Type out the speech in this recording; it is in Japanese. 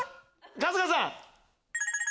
春日さん。